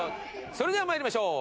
それでは参りましょう。